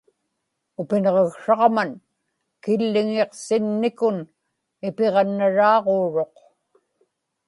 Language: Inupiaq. upinġaksraġman killiŋiqsin-nikun ipiġannaraaġuuruq